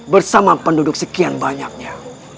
bersama penduduk sekian banyaknya